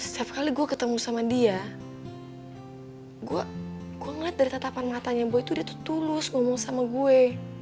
setiap kali gue ketemu sama dia gue ngeliat dari tatapan matanya gue itu dia tertulus ngomong sama gue